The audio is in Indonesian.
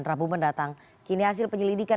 rabu mendatang kini hasil penyelidikan